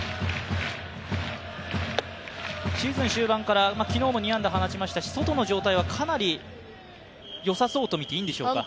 シーズン終盤から、昨日も２安打放ちましたしソトの状態はかなりよさそうと見ていいんでしょうか。